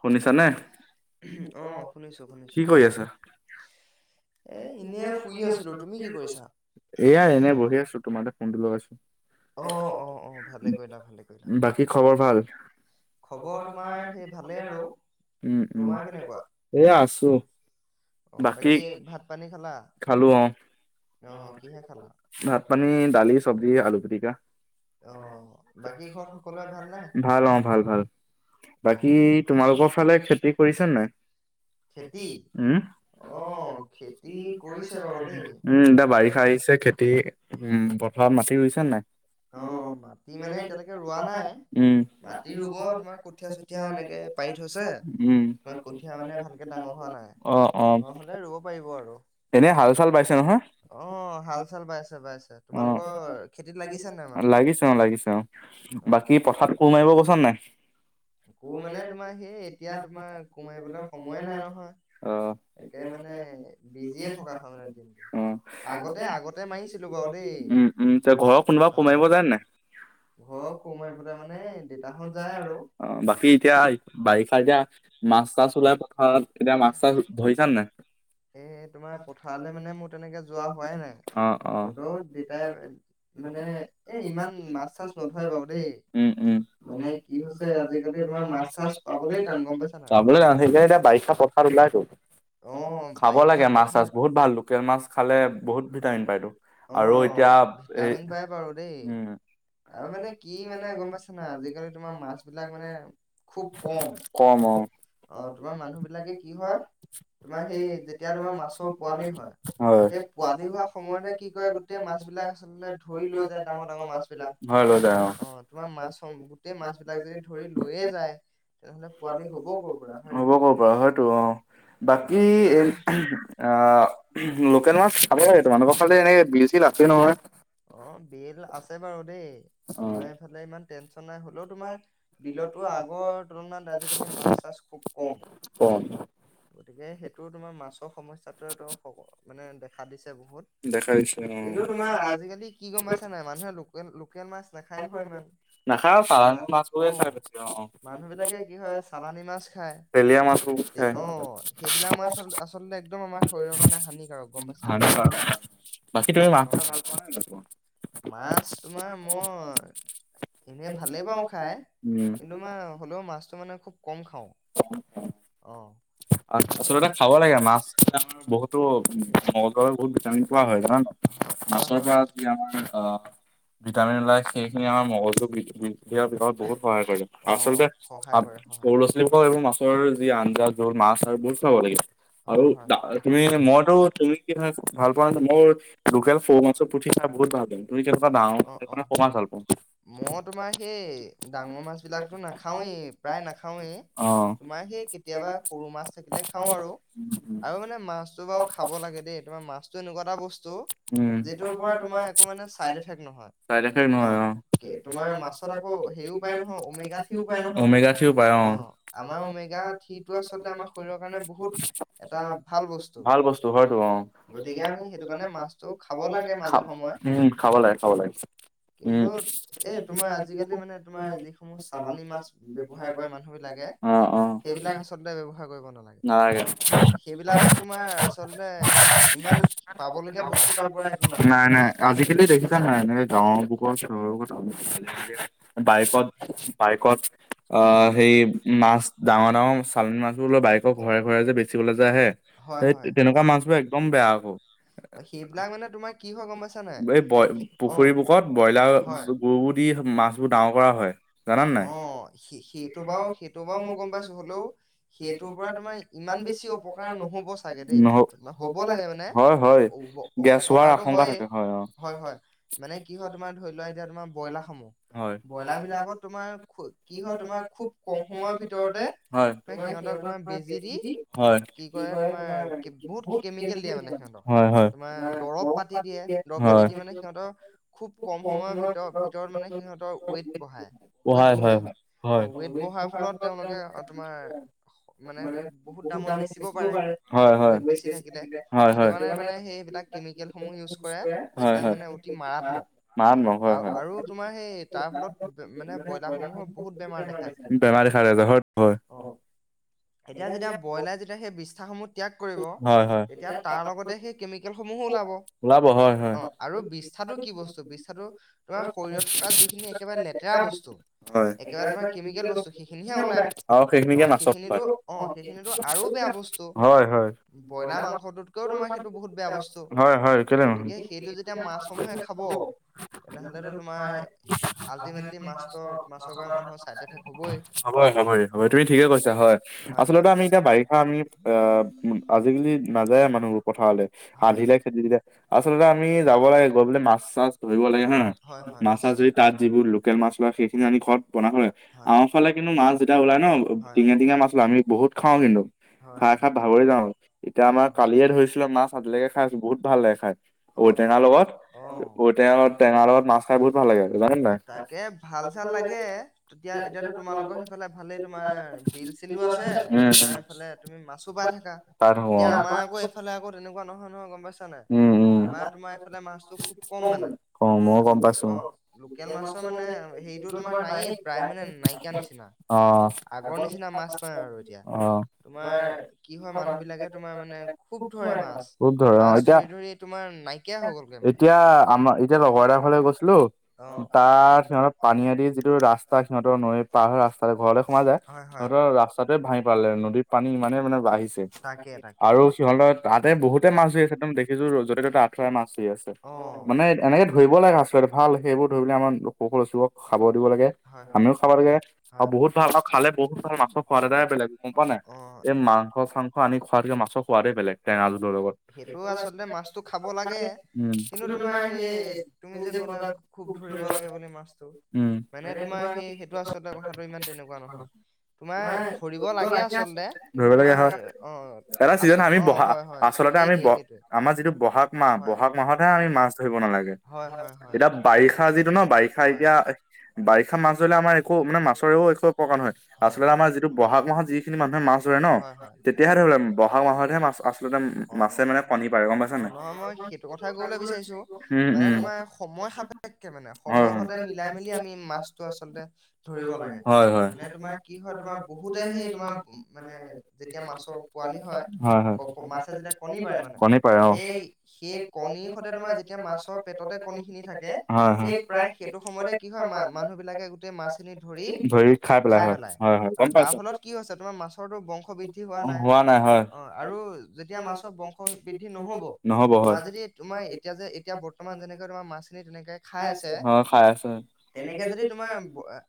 শুনিছা নে অহ শুনিছো শুনিছো। কি কৰি আছা? এ এনে আৰু শুই আছিলো তুমি কি কৰিছা? বহি আছো তোমাৰ ফোনটো লগাইছো অ অ অ ভালে কৰিলা ভালে কৰিলা বাকী খবৰ ভাল? খবৰ তোমাৰ সেই ভালে আৰু উম উম তোমাৰ কেনেকুৱা এয়া আছো অ বাকী বাকি ভাত পানী খালা অ কিহে খালা? ভাত পানী দালি চব্জি আলু অহ বাকী ঘৰত সকলোৰে ভালনে? ভাল অ ভাল ভাল অ অ বাকী তোমালোকৰ ফালে খেতি কৰিছ নাই খেতি অ খেতি উম কৰিছে বাৰু দেই এতিয়া বাৰিষা আহিছে খেতি উম পথাৰত মাটি ৰুইছে নাই অ মাটি মানে এতিয়ালৈকে ৰোৱা নাই উম মাটি ৰুব তোমাৰ কঠীয়া চঠীয়া এনেকে পাৰি থৈছে উম তমাৰ কঠীয়া মানে ভালকে ডাঙৰ হোৱা নাই অ অ ডাঙৰ হলে ৰুব পাৰিব আৰু [unintelligible] এনে হাল চাল বাইছে নহয় অ হাল চাল বাইছে বাইছে অ তোমালোকৰ খেতি লাগিছে অ লাগিছে অ অ বাকী পথাৰ কোৰ মাৰিব গৈছা নাই কোৰ মানে তোমাৰ সেই এতিয়া তোমাৰ কোৰ মাৰিবলৈ সময়ে নাই নহয় একে মানে অ বিজিয়ে থকা হয় মানে দিনটো অ আগতে আগতে মাৰিছিলো বাৰু দেই উম, উম, তে [unintelligible] কোনোবা অ কমাৰিব যায় নাই ঘৰৰ কোৰ মাৰিবলৈ মানে দেউতাহঁত যায় আৰু বাকী এতিয়া বাৰিষা এতিয়া মাছ চাছ ওলাই পথাৰত এতিয়া মাছ চাছ ধৰিছান নাই এ তোমাৰ পথাৰলৈ মানে মোৰ তেনেকে যোৱা হোৱাই নাই অ', অ', হলেও দেতাই মানে এ ইমান মাছ চাছ নধৰে বাৰু দেই উম, উম, মানে কি হৈছে আজিকালি তোমাৰ মাছ চাছ পাবলে টান গম পাইছা নাই যাবলৈ যাওঁ সেইকাৰণে এতিয়া বাৰিষা পথাৰত ওলাইতো। অ খাব বাৰিষা লাগে মাছ চাছ বহুত ভাল পথাৰত লোকেল মাছ খালে বহুত ভিটামিন পাইতো আৰু অ', এতিয়া [unintelligible] ভিটামিন পাই এ বাৰু দেই। আৰু মানে আৰু মানে কি গম মানে পাইছা নাই আজালি আজিকালি তোমাৰ মাছ মাছাক বিলাক মানে মানেু খুব ক কম তোমাৰ মা অ', তোমাৰ কি মানুহ বিলাকে হয় কি হয় তোমাৰ সেই [unintelligible] মাছৰ পোৱালি হয় সেই হেই পোৱালি হোৱা ভাগ সময়তে মুঠতে কৰে গোটেই কি মাছ বিলাক কৈ আচলতে ধৰি লৈ যায় ডাঙৰ ডাঙৰ মাছ বিলাক হয় লৈ যায় অ তোমাৰ মাছ গোটেই মাছ বিলাক যদি ধৰি লৈয়ে যায় তেনেহলে পোৱালি হব কৰ'ৰ পৰা হয় হ'ব নহয় ক'ৰ পৰা অ আহ [unintelligible] উম আহ লোকেল মাছ খাব লে তোমালোকৰ ফালে এনেকে বিল চিল লছে নহয় [unintelligible] অ বিল আছে বাৰু হে অ আমাৰ এইফালে ইমান [inaudible] নাই হলেও তোমাৰ বিলতো আগৰ তুলনাত আজিকালি মাছ চাছ খুব কম কম গতিকে সেইটো তোমাৰ মাছৰ সমস্যাতো মানে [unintelligible] খা দিছো দেখাই দিছে অ আজিকালি কি গম পাইছা নাই মানুহে লোকে নাখায় চালানী মাছ বোৰে খাই বেছি অ, মানুহ বিলাকে কি হয় চালানী মাছ খায়। তেলীয়া মাছবোৰ তে খাই, অ', সেইবিলাক মাছ আচল- আচলতে একদম আমাৰ শৰীৰৰ কাৰণে হানিকাৰক গম পাইছা নাই। বাকী তুমি মাছ অ', খায় ভাল পোৱা নাই? মাছ তোমাৰ মই এনে ভালেই পাওঁ খাই। উম কিন্তু মই হ'লেও মাছটো মানে খুব কম খাওঁ। [unintelligible] অ তাৰপা আচলতে খাব লাগে মাছ আমাৰ বহুতো উম মগজুৰ বহুত ভিটামিন পোৱা হয় কাৰণ হয় হয় মাছৰ পৰা হয় যি আমাৰ আহ ভিটামিন ওলাই সেইখিনি আমাৰ মগজুৰ বৃদ্ধিৰ বহুত সহায় কৰে অ আচলতে সহায় কৰে সহায় সৰু ল'ৰা কৰে ছোৱালীবোৰক এইবোৰ মাছৰ যি আন মাছ আৰু বহুত চাব লাগে আৰু হয় হয় তুমি মইতো তুমি কি ভাল পোৱা না মোৰ লোকেল ফৌ মাছৰ পুঠি খাই বহুত ভাল পাওঁ তুমি কেনেকুৱা অ ডাঙৰে অ মাছ ভাল পাওঁ মই তোমাৰ সেই ডাঙৰ মাছ বিলাকতো নাখাওৱেই প্ৰায় নাখাওৱেই অ। তোমাৰ সেই [unintelligible] কেতিয়াবা সৰু মাছ থাকিলে খাওঁ আৰু আৰু মানে মাছটো বাৰু খাব লাগে দেই তোমাৰ মাছ উম [unintelligible] তোমাৰ একো মানে চাইড এফেক্ট নহয় নহয় অ কে- তোমাৰ মাছত আকৌ হেৰিও পায় নহয় ওমেগা থ্ৰীও পায় নহয় উমেগাখিও পায় অ আমাৰ ওমেগা থ্ৰীটো আচলতে আমাৰ শৰীৰৰ কাৰণে বহুত এটা ভাল ভাল বস্তু হয়টো অ। গতিকে আমি খাব সেইটো কাৰণে মাছটো খাব মাজে সময়ে লাগে খাব অ লাগে উম কিন্তু এ তোমাৰ আজিকালি মানে তোমাৰ যিসমূহ চালানী মাছ ব্যৱহাৰ কৰে মানুহ বিলাকে অ অ সেইবিলাক আচলতে ব্যৱহাৰ কৰিব নেলাগে নালাগে। অ সেইবিলাকত তোমাৰ আচলতে ইমান পাবলগীয়া বস্তু তাৰ পৰা একো নাপায় নাই নাই আজিকালি দেখিছা নাই এনেকে গাঁওৰ বোৰত চহৰৰ কথা [unintelligible] বাইকত বাইকত অ আহ সেই মাছ ডাঙৰ ডাঙৰ চালনী মাছবোৰ লৈ বাইকৰ ঘৰে ঘৰে যে বেচিবলৈ যে আহে হয় সেই হয় তেনেকুৱা মাছবোৰ একদম বেয়া। অ সেইবিলাক মানে তোমাৰ কি হয় গম পাইছা নাই এই ব সে- অ পুখুৰী মুখত ব্ৰইলাৰ হয় গুবোৰ দি মাছ ডাঙৰ কৰা হয়। জানা নে নাই, অ সেই সেইটো বাৰু সেইটো বাৰু মই গম পাইছো হ'লেও সেইটোৰ পৰা তোমাৰ ইমান বেছি অপকাৰ নহ হয় হয় অ প গেছ হোৱাৰ অপকাৰটো আশংকা হয়ে, থাকে অ', হয় হয় মানে কি হয় তোমাৰ ধৰি লোৱা এতিয়া তোমাৰ ব্ৰইলা সমূহ হয় ব্ৰইলা বিলাকত তোমাৰ খু- কি তোমাৰ হয় খুব কম সময়ৰ ভিতৰতে তোমাৰ সিহঁতক তোমাৰ বেজি দি হয় কি কৰে তোমাৰ কে- বহুত কেমিকেল দিয়ে মানে হয় হয় তোমাৰ দৰব পাতি দিয়ে দৰব পাতি হয়। দি মানে সিহঁতৰ খুব কম সময়ৰ ভিতৰত ভিতৰত মানে সিহঁতৰ ৱেট বঢ়াই বঢ়ায় হয়, হয় তেওঁলোকে অ, তোমাৰ মানে বহুত দামত বেচিব পাৰে হয় ৱেইট বেছি থাকিলে হয় সেইটো হয় কাৰণে মানে সেই সেইবিলাক কেমিকেলসমূহ ইউজ কৰে হয় যিবিলাক হয় মানে অতি মাৰাত্মক মাৰাত্মক হয় আৰু হয় আৰু তোমাৰ সেই তাৰ ফলত মানে সমূহৰ বহুত বেমাৰ দেখা যায় বেমাৰ দেখা দিয়ে যায় হয় হয় অ এতিয়া যেতিয়া ব্ৰইলাৰ যেতিয়া সেই বিষ্ঠাসমূহ ত্যাগ কৰিব হয় হয় এতিয়া তাৰ লগতে সেই কেমিকেল সমূহো ওলাব ওলাব হয় হয় অ আৰু বিষ্ঠাটো কি বস্তু বিষ্ঠাটো তোমাৰ শৰীৰত থকা যিখিনি একেবাৰে লেতেৰা বস্তু হয়। একেবাৰে তোমাৰ কেমিকেল বস্তু সেইখিনিহে ওলায় [unintelligible] আৰু অ সেইখিনিকে মাছক খুৱাই। সেইখিনিতো অ সেইখিনিতো আৰু বেয়া [unintelligible] বস্তু হয়। ব্ৰইলাৰ মাংসটোতকেও তোমাৰ সেইটো বহুত বেয়া বস্তু। হয় হয় কেলে নহয় গতিকে সেইটো যেতিয়া মাছসমূহে খাব, তেনেহলেতো তোমাৰ আল্টিমেটলি মাছটোৰ অ হবই-হবই-হবই তুমি ঠিকে কৈছা হয়। হয় আচলতে হয় আমি এতিয়া বাৰিষা আমি অ উম আজিকালি নাযায়ে মানুহবোৰ পথাৰলৈ। হয় আধিলে হয় খেতি দি দিয়ে, আচলতে আমি যাব লাগে গৈ পলে মাছ চাছ ধৰিব লাগে হয় নহয়? হয় মাছ চাছ নিশ্চয় ধৰি তাত যিবোৰ লোকেল মাছ ওলাই সেইখিনি আ ঘৰত বনা কৰে। হয়। আনফালে কিন্তু মাছ যেতিয়া ওলাই ন হয় টিঙে-টিঙে মাছ ওলাই আমি বহুতা খাও কিন্তু। হয় হয় খাই-খাই ভাবৰি যাওঁ। এতিয়া আমাৰ কালিয়ে ধৰিছিলো মাছ আজিলৈকে খাই আছো বহুত ভাল লাগে খাই অ'। অ', ঔটেঙা অ', লগত, অ', ঔটেঙা-টেঙাৰ লগত টেঙা লগত মাছ খাই বহুত ভাল লাগে জানে নাই। তাকে ভাল লাগে। তেতিয়া এতিয়াতো তোমালোকৰ সেইফালে ভালেই তোমাৰ বিল চিলো আছে উম উম তোমাৰ সেফালে তুমি মাছ পাই থাকা। তাত হব অ এতিয়া আমাৰ আকৌ এইফালে আকৌ তেনেকুৱা নহয় ন গম পাইছ উম উম। আমাৰ তোমাৰ এইফালে মাছটো খুব কম মানে, অ মইও গম লোক পাইছো অহ লোকেল মাছৰ মানে হে অহ, আগৰ নিচিনা মাছ নাই আৰু এতিয়া। অহ, তোমাৰ কি হয় মানুহ বিলাকে তোমাৰ মানে খুব ধৰে মাছ। খুৱ ধৰে অহ। মাছ এতিয়া, ধৰি ধৰি তোমাৰ নাইকিয়া হৈ গ'লগৈ মানে এতিয়া আমাৰ এতিয়া লগৰ এটা ঘৰলে গৈছিলো অ'। তাৰ সিহ পানী আদি যিটো ৰাস্তা সিহঁতৰ নৈ পাৰ হৈ ৰাস্তা ঘৰতে সোমাই যায়, হয় হয় সিহঁতৰ ৰাস্তাটোৱে ভাঙি পালে নদীৰ পানী ইমানেই মানে বাঢ়িছে তাকে তাকে। আৰু সিহঁতৰ তাতে বহুতে মাছ ধৰি আছে একদম দেখিছো যতে' ততে আঠুৱাই মাছ ধৰি আছে অ'। মানে এনেকে ধৰিব লাগে আচলতে ভাল সেইবোৰ ধৰিবলৈ আমাৰ সৰু-সৰু লৰাছোৱালী বোৰক খাব দিব লাগে। হয় হয় আমিও খাব লাগে আৰু হয়। বহুত ভাল আৰু খালে বহুত ভাল মাছৰ সোৱাদ এটাই বেলেগ গম পোৱা নাই? এই অ'। মাংস চাংস আনি খোৱাতকে মাছৰ সোৱাদে বেলেগ টেঙা জোলৰ লগত। সেইটো আচলতে মাছটো খাব লাগে, উম কিন্তু তোমাৰ সেই তুমি যে কলা খুব ধৰিব লাগে বুলি মাছটো। উম মানে তোমাৰ সেই সেইটো আচলতে কথাটো ইমান তেনেকুৱা নহয়। তোমাৰ ধৰিব লাগে আচলতে কিন্তু ধৰিব লাগে তোমাৰ হয় অহ এটা আচ ছিজন আমি অহ বহা হয়-হয় আচলতে আমি ব সেইটয়ে-সেইটোয়ে। আমাৰ যিটো বহাগ মাহ, বহাগ মাহতহে আমি মাছ ধৰিব নালাগে। হয় হয় হয় এতিয়া বাৰিষা যিটো ন বাৰিষা হয় এতিয়া বাৰিষা মাছ ধৰিলে আমাৰ একো মানে মাছৰেও একো অপকাৰ নহয়। আচলতে আমাৰ যিটো বহাগ মাহত যিখিনি মানুহে মাছ ধৰে ন, হয় হয় হয় তেতিয়াহে ধৰি ললে বহাগ মাহতহে মাছ আচলতে মাছে মানে কণী পাৰে গম পাইছা অহ নাই নহয় মই সেইটো কথাই কবলে বিচাৰিছো, উম মানে উম তোমাৰ সময় সাপেক্ষে মানে হয় সময়ৰ হয় সতে মি মেলি আমি মাছটো আচলতে ধৰিব লাগে। হয় মানে হয় তোমাৰ কি হয় তোমাৰ বহুতে সেই তোমাৰ মানে যেতিয়া মাছৰ পোৱালি হয়, মাছে যেতিয়া কণী পাৰে মানে কণী পাৰে অহ। সেই সেই কণী কণীৰ সতে মানে তোমাৰ যেতিয়া সেই মাছৰ পেটতে কণীখিনি থাকে, হয়-হয়। [unintelligible] চব সময়তে কি হয় মা মানুহেবিলাকে মাছখিনি ধৰি খাই পেলাই খায় হয় পেলায়। হয় হয় গম তাৰ পাইছো ফলত কি হৈছে তোমাৰ মাছৰটো বংশ বৃদ্ধি হোৱা নাই অহ আৰু যেতিয়া মাছৰ বংশ বৃদ্ধি নহব। তোমাৰ যদি তোমাৰ এতিয়া যে এতিয়া বৰ্তমান যেনেকে তোমাৰ মাছখিনি তেনেকে খাই আছে অ খাই আছে তেনেকে যদি তোমাৰ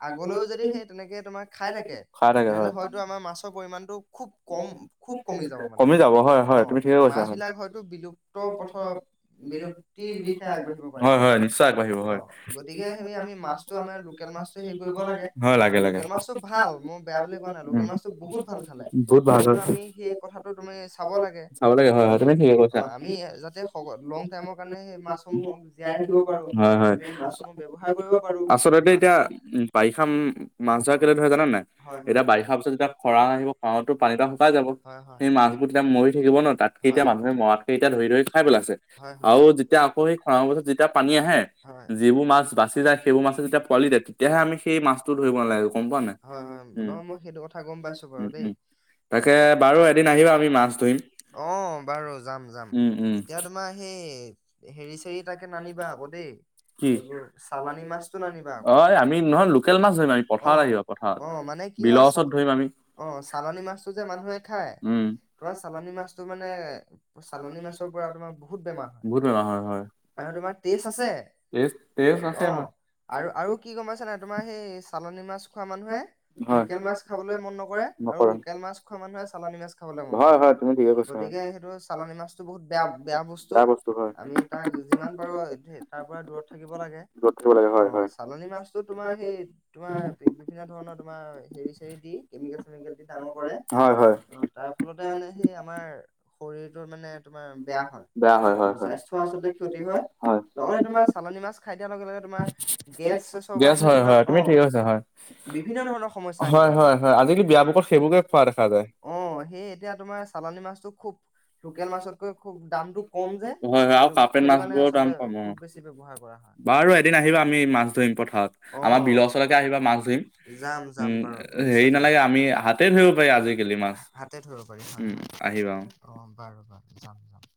আগলৈও যদি সেই তেনেকে যদি তোমাৰ আগলেও যদি হে তেনেকে খাই থাকে, খাই থাকে তেনেহলে হয় হয়তো আমাৰ মাছৰ পৰিমাণটো খুব কম খুব কমি যাব মানে যাব হয় হয় অহ তুমি ঠিকে কৈছা মাছ হয়। বিলাক হয়তো বিলুপ্ত পথত বিলুপ্তিৰ দিশে আগবাঢ়িব পাৰে হয় মানে হয় নিশ্চয় আগবাঢ়িব হয় অহ গতিকে সেই আমি মাছটো আমাৰ লোকেল মাছটো হেই কৰিব লাগে হয় আৰু লাগে লাগে লোকেল মাছটো ভাল মই বেয়া বুলি কোৱা নাই লোকেল উম। মাছটো বহুত ভাল খালে বহুত ভাল কিন্তু, হয় আমি সেই কথাটো তুমি চাব লাগে। চাব লাগে অহ হয় হয় তুমি ঠিকে - অহ কৈছা। আমি যাতে লং টাইমৰ কাৰণে সেই মাছসমূহক জীয়াই ৰাখিব পাৰোঁ হয় আমি মাছ [unintelligible] আচলতে এতিয়া উম বাৰিষা মাছ ধৰা অ কেলে ধৰে জানে নাই হয় এতিয়া হয় বাৰিষাৰ পিছত যেতিয়া খৰাং আহিব খৰাংতো পানী বিলাক শুকাই যাব হয় হয় হয় হয় সেই মাছবোৰ তেতিয়া মৰি [unintelligible] তাতকে এতিয়া হয় মানুহে মৰাতকে এতিয়া ধৰি -ধৰি খাই পেলাইছে হয় আৰু যেতিয়া আকৌ খৰাং পিছত যেতিয়া পানী হয় আহে হয় যিবোৰ মাছ বাচি যায় সেইবোৰ মাছে যেতিয়া পোৱালি দিয়ে তেতিয়াহে আমি সেই মাছটো ধৰিব নালাগে গম পোৱা নাই হয় উম নহয় মই সেইটো কথা গম পাইছো - বাৰু উম- দেই উম তাকে বাৰু এদিন আহিবা আমি মাছ ধৰিম। অহ, বাৰু যাম-যাম উম, উম, এতিয়া তোমাৰ সেই এ ' হেৰি চেৰি তাকে নানিবা আকৌ দেই। কি এইবোৰ চালানী ছালানি মাছটো লৈ নানিবা আকৌ অহ আনিম নহয় লোকেল মাছ ধৰিম আমি পথাৰত অ' আহিবা পথাৰত অ' মানে কি হয় বিলৰ ওচৰত ধৰিম আমি অ' চালানী ছালানি মাছটো যে মানুহে খায় [unintelligible] উম ছালনি মাছটো মানে চালানী ছালনি মাছৰ পৰা তোমাৰ বেমাৰ হয় বহুত বেমাৰ হয়। হয় [unintelligible] আছে অহ, হয়, আৰু -আৰু কি গম পাইছা নাই তোমাৰ সেই চালনী মাছ এচাম মানুহে হয়, লোকেল মাছ খাবলৈ মন নকৰে আৰু লোকেল মাছ খোৱা মানুহে চালানী মাছ খাবলৈ মন হয়, নকৰে হয়, তুমি ঠিকে কৈছা হয়, গতিকে সেইটো চালানী মাছটো বহুত বেয়া- বেয়া বস্তু আমি তাক যিমান পাৰোঁ তাৰ পৰা দূৰত ধুব লাগে দূৰত থাকিব লাগে হয়, অহ হয়, চালনী মাছটো তোমাৰ সেই তোমাৰ বিভিন্ন ধৰণৰ তোমাৰ হেৰি চেৰি দি কেমিকেল- চেমিকেল দি ডাঙৰ কৰে হয়, হয়। তাৰ ফলতে মানে সেই আমাৰ শৰীৰটো মানে তোমাৰ বেয়া হয় বেয়া হয়, আৰু স্বাস্থ্য আচলতে ক্ষতি হয়, হয় লগতে তোমাৰ চালনী মাছ খাই দিয়াৰ লগে -লগে তোমাৰ গেছ- চেছৰ পৰা গেছ ধৰি হয় তোমাৰ হয় তুমি অ' ঠিক কৈছা হয়। বিভিন্ন ধৰণৰ সমস্যা আহি হয় যায় মানে হয় হয় আজিকালি বিয়াবোকত সেইবোৰকে খোৱা দেখা যায়। [unintelligible] অহ সেই এতিয়া তোমাৰ চালানী মাছটো খুব লোকেল মাছতকৈ মাছবোৰৰ খুব দামটো কম যে হয়-হয় আৰু সেইটো কা- কাৰ্পেট সেইটো মাছ কাৰণে বোৰৰ আচলতে দাম কম অহ খুব বেছি ব্যৱহাৰ কৰা হয় বাৰু এদিন আহিবা আমি মাছ ধৰিম পথাৰত অ আমাৰ বিলৰ ওচলৈকে আহিবা মাছ ধৰিম যাম যাম উম বাৰু হেৰি নিশ্চয় যাম নালাগে আমি হাতে ধৰিব পাৰি আজিকালি মাছ হা- উম! আহিবা অহ। অহ, বাৰু- বাৰু, যাম- যাম।